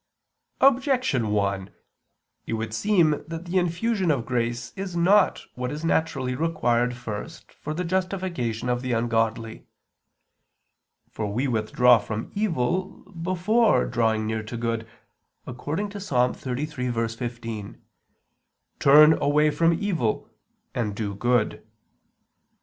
Objection 1: It would seem that the infusion of grace is not what is naturally required first for the justification of the ungodly. For we withdraw from evil before drawing near to good, according to Ps. 33:15: "Turn away from evil, and do good."